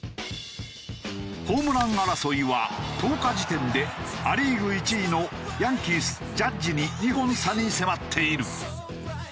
ホームラン争いは１０日時点でア・リーグ１位のヤンキースジャッジに２本差に迫っている。